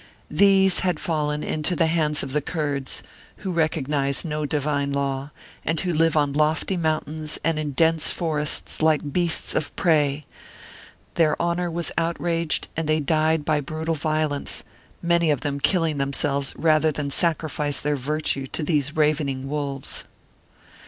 These had fallen into the hands of the Kurds, who recog nize no divine law, and who live on lofty mountains and in dense forests like beasts of prey; their honour was outraged and they died by brutal violence, many of them killing themselves rather than sacrifice their virtue to these ravening wolves.